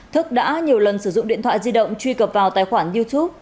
thức đã nhiều lần sử dụng điện thoại di động truy cập vào tài khoản youtube